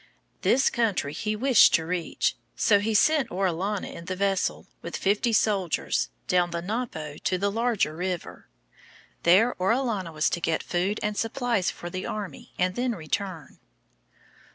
This country he wished to reach. So he sent Orellana in the vessel, with fifty soldiers, down the Napo to the larger river. There Orellana was to get food and supplies for the army and then return.